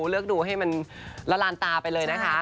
เลือกดูให้มันละลานตาไปเลยนะคะ